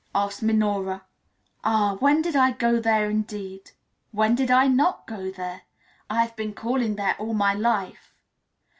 asked Minora. "Ah, when did I go there indeed? When did I not go there? I have been calling there all my life."